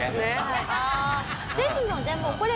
ですのでもうこれ。